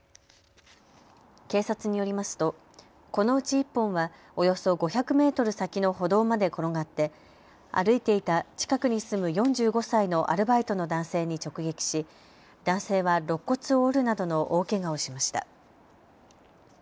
警察によりますとこのうち１本はおよそ５００メートル先の歩道まで転がって歩いていた近くに住む４５歳のアルバイトの男性に直撃し、男性は、ろっ骨を折るなどの大けがをしました。